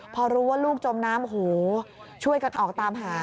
พอรู้ว่าลูกจมน้ำโอ้โหช่วยกันออกตามหา